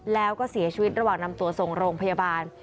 แล้วก็เสียชีวิตระหว่างนำตัวส่งโรงพยาบาล